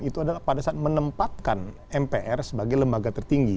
itu adalah pada saat menempatkan mpr sebagai lembaga tertinggi